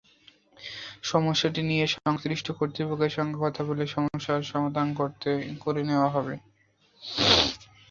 সমস্যাটি নিয়ে সংশ্লিষ্ট কর্তৃপক্ষের সঙ্গে কথা বলে সমাধানের ব্যবস্থা নেওয়া হবে।